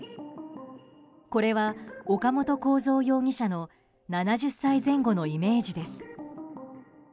これは、岡本公三容疑者の７０歳前後のイメージです。